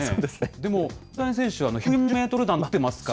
でも、大谷選手は、１４０メートル弾とか打ってますから。